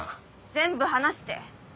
全部話して。